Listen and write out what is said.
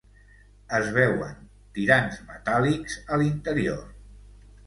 Es veuen tirants metàl·lics a l'interior.